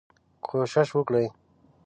کوشش وکړئ